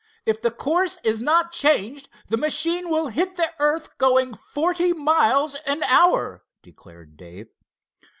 If the course is not changed, the machine will hit the earth going forty miles an hour," declared Dave.